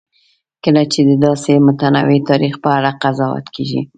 کله چې د داسې متنوع تاریخ په اړه قضاوت کېږي.